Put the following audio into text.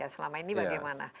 selama ini bagaimana